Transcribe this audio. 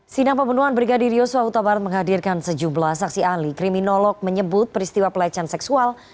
sidang pembunuhan brigadir yosua huta barat menghadirkan sejumlah saksi ahli kriminolog menyebut peristiwa pelecehan seksual